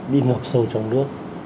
bị ngập sâu trong nước